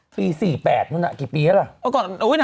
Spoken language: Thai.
ปี๔๘นู่นน่ะกี่ปีแล้วล่ะ